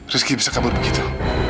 rizky bisa kabur begitu